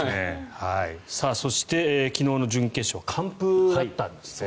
そして昨日の準決勝完封だったんですね。